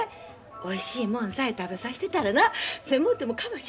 おいしいもんさえ食べさしてたらな狭うてもかましまへんて。